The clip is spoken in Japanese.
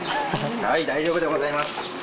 はい大丈夫でございます